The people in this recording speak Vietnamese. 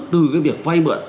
từ cái việc quay mượn